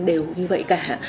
đều như vậy cả